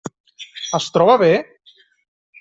Es troba bé?